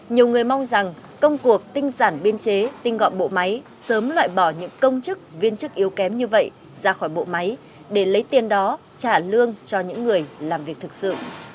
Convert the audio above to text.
nhiều người mong rằng công cuộc tinh giản biên chế tinh gọn bộ máy sớm loại bỏ những công chức viên chức yếu kém như vậy ra khỏi bộ máy để lấy tiền đó trả lương cho những người làm việc thực sự